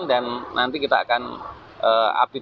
dan nanti kita akan update